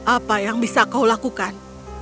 apa yang bisa kau lakukan